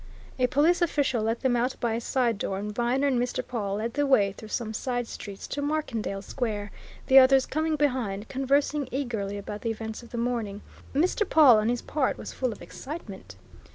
A police official let them out by a side door, and Viner and Mr. Pawle led the way through some side streets to Markendale Square, the others coming behind, conversing eagerly about the events of the morning. Mr. Pawle, on his part, was full of excitement.